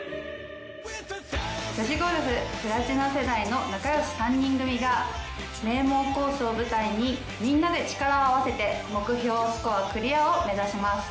女子ゴルフプラチナ世代の仲よし３人組が名門コースを舞台にみんなで力を合わせて目標スコアクリアを目指します。